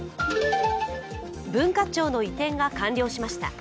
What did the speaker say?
文化庁の移転が完了しました。